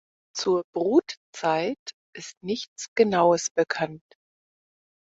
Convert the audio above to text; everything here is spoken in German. Zur Brutzeit ist nichts Genaues bekannt.